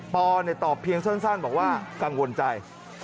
ปอตอบเพียงสั้นบอกว่ากังวลใจ